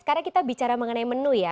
sekarang kita bicara mengenai menu ya